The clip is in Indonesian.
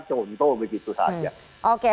contoh begitu saja